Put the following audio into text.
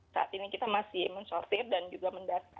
saat ini kita masih men sortir dan juga mendata